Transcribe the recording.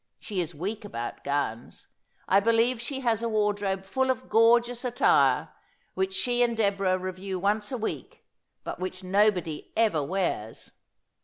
She is weak about gowns. I believe she has a wardrobe full of gorgeous attire, which she and Deborah review once a week, but which nobody ever wears.'